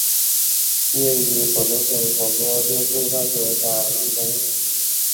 毕业于广东省广播电视大学法律专业。